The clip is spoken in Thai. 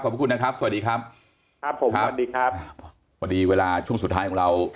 ขอบคุณนะครับสวัสดีครับครับผมสวัสดีครับสวัสดีเวลาช่วงสุดท้ายของเรา